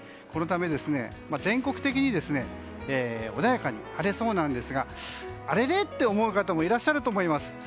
このため全国的に穏やかに晴れそうなんですがあれれ？って思う方もいらっしゃると思います。